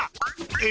え？